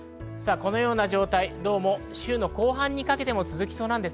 このような状態、週の後半にかけても続きそうです。